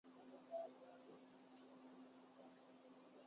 پھر لکشمی چوک میں جا کے پھنس گیا۔